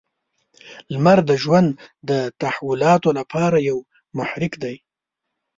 • لمر د ژوند د تحولاتو لپاره یو محرک دی.